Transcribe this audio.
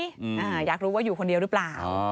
อ่าอยากรู้ว่าอยู่คนเดียวหรือเปล่า